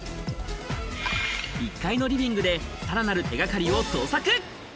１階のリビングでさらなる手掛かりを捜索。